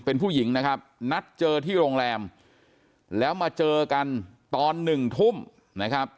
เป็นผู้หญิงนะครับนัดเจอที่โรงแรมแล้วมาเจอกันตอนหนึ่งทุ่มนะครับ